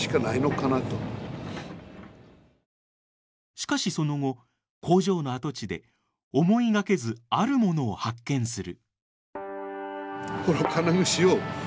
しかしその後工場の跡地で思いがけずあるものを発見する。